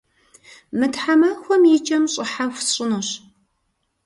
Мы тхьэмахуэм и кӏэм щӏыхьэху сщӏынущ.